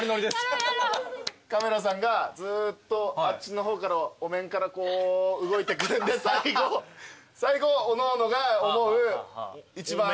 カメラさんがずっとあっちの方からお面からこう動いてくるんで最後おのおのが思う。